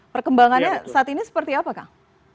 perkembangannya saat ini seperti apa kang